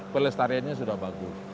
pelestariannya sudah bagus